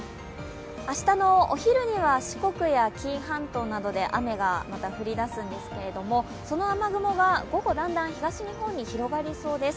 明日のお昼には四国や紀伊半島などで雨がまた降りだすんですけれどもその雨雲が午後、だんだん東日本に広がりそうです。